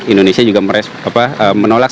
indonesia juga menolak